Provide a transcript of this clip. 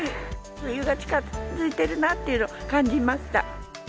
冬が近づいてるなっていうのを感じました。